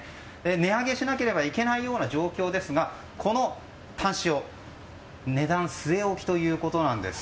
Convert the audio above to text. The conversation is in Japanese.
値上げしなければいけないような状況ですがこのタン塩値段据え置きということなんです。